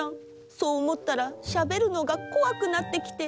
そう思ったらしゃべるのがこわくなってきて。